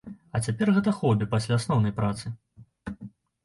А цяпер гэта хобі пасля асноўнай працы.